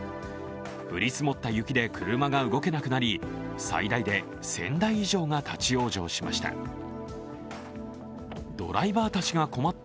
降り積もった雪で車が動けなくなり最大で１０００台以上が立往生しました。